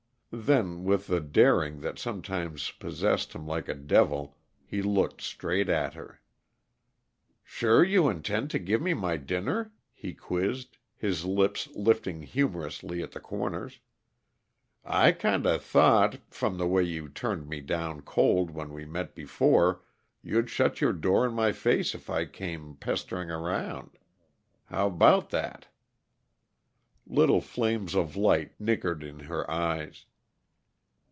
Then, with the daring that sometimes possessed him like a devil, he looked straight at her. "Sure you intend to give me my dinner?" he quizzed, his lips' lifting humorously at the corners. "I kinda thought, from the way you turned me down cold when we met before, you'd shut your door in my face if I came pestering around. How about that?" Little flames of light nickered in her eyes.